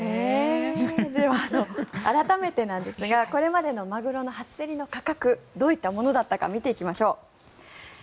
改めてなんですがこれまでのマグロの初競りの価格どういったものだったか見ていきましょう。